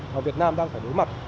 mà việt nam đang phải đối mặt